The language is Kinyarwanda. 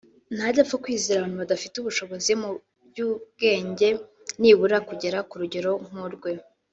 ntajya apfa kwizera abantu badafite ubushobozi mu by’ubwenge nibura kugera ku rugero nk’urwe